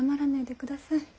ください。